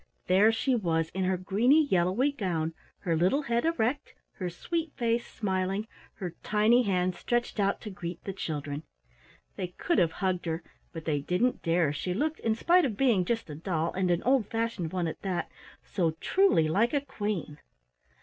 There she was in her greeny yellowy gown, her little head erect, her sweet face smiling, her tiny hands stretched out to greet the children. They could have hugged her, but they didn't dare, she looked, in spite of being just a doll and an old fashioned one at that, so truly like a Queen.